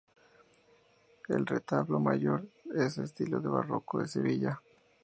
El retablo mayor es de estilo barroco de Sevilla.